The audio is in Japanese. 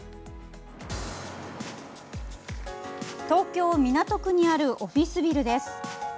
東京・港区にあるオフィスビルです。